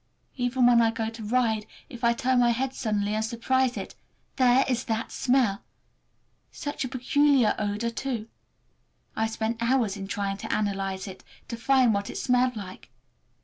Even when I go to ride, if I turn my head suddenly and surprise it—there is that smell! Such a peculiar odor, too! I have spent hours in trying to analyze it, to find what it smelled like.